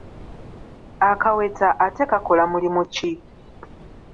Akaweta ate kakola mulimu ki?